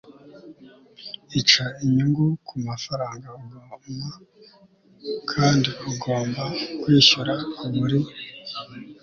ica inyungu ku mafaranga ugoma kandi ugomba kwishyura buri